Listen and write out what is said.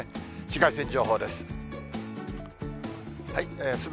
紫外線情報です。